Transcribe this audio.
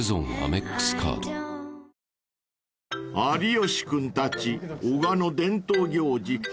［有吉君たち男鹿の伝統行事